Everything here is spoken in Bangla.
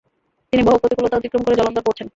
তিনি বহু প্রতিকূলতা অতিক্রম করে জলন্ধর পৌঁছন।